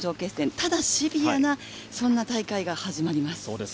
ただシビアな、そんな大会が始まります。